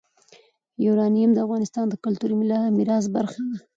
یورانیم د افغانستان د کلتوري میراث برخه ده.